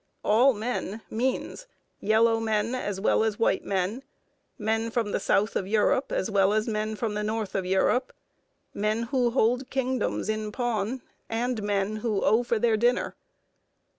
"All men" means yellow men as well as white men, men from the South of Europe as well as men from the North of Europe, men who hold kingdoms in pawn, and men who owe for their dinner.